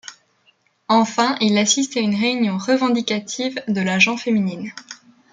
Enfin, il assiste à une réunion revendicative de la gent féminine.